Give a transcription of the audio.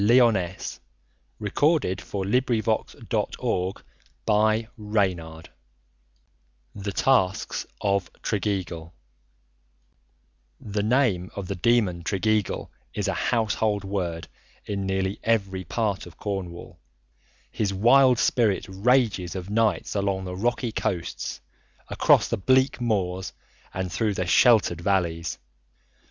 [Illustration: St. Michael's Mount] THE TASKS OF TREGEAGLE The name of the demon Tregeagle is a household word in nearly every part of Cornwall. His wild spirit rages of nights along the rocky coasts, across the bleak moors and through the sheltered valleys.